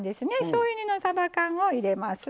しょうゆ煮のさば缶を入れます。